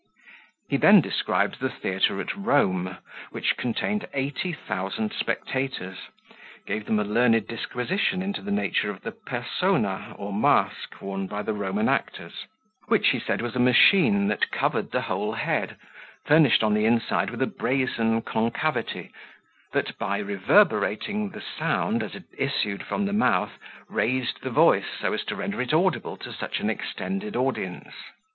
He then described the theatre at Rome, which contained eighty thousand spectators; gave them a learned disquisition into the nature of the persona, or mask, worn by the Roman actors, which, he said, was a machine that covered the whole head, furnished on the inside with a brazen concavity, that, by reverberating, the sound, as it issued from the mouth, raised the voice, so as to render it audible to such an extended audience.